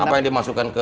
apa yang dimasukkan ke